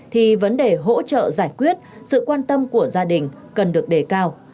thì vấn đề hỗ trợ giải quyết sự quan tâm của gia đình cần được đề cao